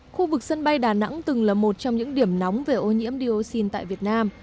khu vực sân bay đà nẵng từng là một trong những điểm nóng về ô nhiễm dioxin tại việt nam